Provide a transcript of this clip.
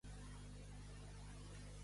Els de Calaceit resaven.